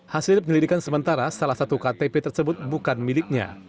hasil penyelidikan sementara salah satu ktp tersebut bukan miliknya